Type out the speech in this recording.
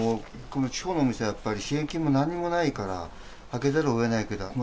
地方の店はやっぱり支援金も何もないから、開けざるをえないけど、。